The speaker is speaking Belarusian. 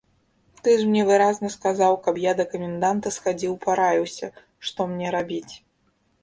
Ты ж мне выразна сказаў, каб я да каменданта схадзіў параіўся, што мне рабіць.